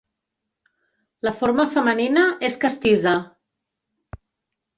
La forma femenina és castiza.